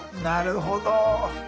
なるほど。